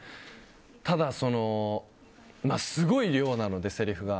ただ、すごい量なので、せりふが。